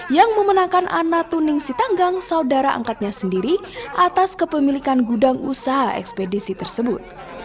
yang memenangkan ana tuning sitanggang saudara angkatnya sendiri atas kepemilikan gudang usaha ekspedisi tersebut